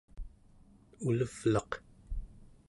ulevlaq